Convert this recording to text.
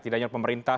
tidak hanya pemerintah